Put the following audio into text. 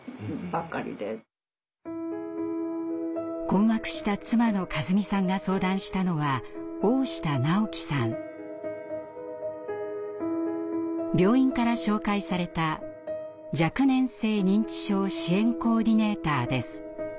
困惑した妻の和美さんが相談したのは病院から紹介された若年性認知症支援コーディネーターです。